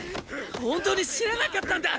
本当に知らなかったんだ！